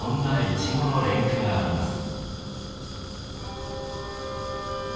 イチゴの連句があります。